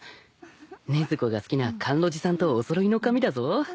禰豆子が好きな甘露寺さんとお揃いの髪だぞ。